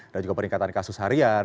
ada juga peringkatan kasus harian